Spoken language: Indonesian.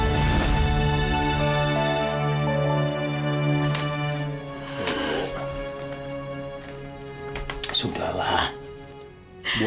dan secamping anak itu